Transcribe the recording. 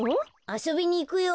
あそびにいくよ。